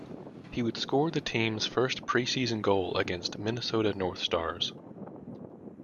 He would score the team's first preseason goal against the Minnesota North Stars.